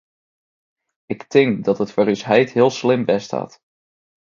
Ik tink dat dat foar ús heit heel slim west hat.